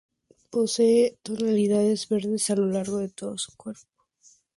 Posee tonalidades verdes a lo largo de todo su cuerpo.